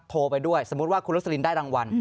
โทรไปด้วยสมมุติว่าคุณรสลินได้รางวัล